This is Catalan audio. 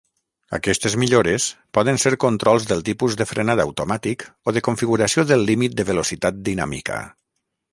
Aquestes millores poden ser controls del tipus de frenat automàtic o de configuració de límit de velocitat dinàmica.